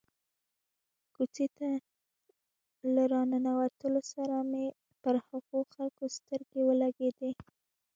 کوڅې ته له را ننوتلو سره مې پر هغو خلکو سترګې ولګېدې.